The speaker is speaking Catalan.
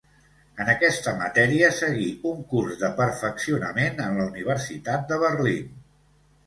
En aquesta matèria seguí un curs de perfeccionament en la Universitat de Berlín.